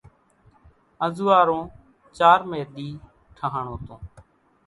انزوئارو چارمي ۮي ٺۿاڻون تون